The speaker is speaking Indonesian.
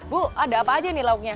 bu ada apa aja nih lauknya